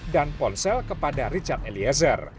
dan ponsel kepada richard eliazer